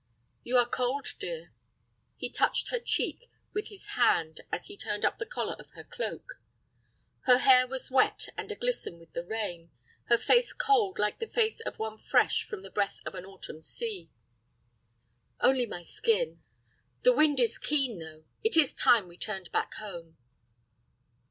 "You are cold, dear." He touched her cheek with his hand as he turned up the collar of her cloak. Her hair was wet and a glisten with the rain, her face cold like the face of one fresh from the breath of an autumn sea. "Only my skin." "The wind is keen, though. It is time we turned back home."